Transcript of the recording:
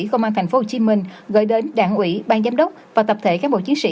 công an tp hcm gửi đến đảng ủy bang giám đốc và tập thể các bộ chiến sĩ